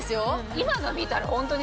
今の見たらホントに。